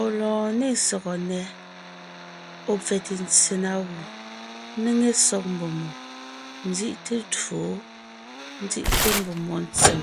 Ɔ̀ lɔɔn ne sɔgɔ nnɛ́, ɔ̀ pfɛte ntse na gù, ńnéŋe sɔg mbùm gù, ńzí’te twó jú, ńzí’te mbùm jù ntsèm.